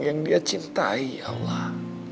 yang dia cintai allah